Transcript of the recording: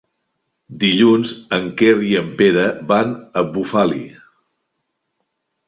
Dilluns en Quer i en Pere van a Bufali.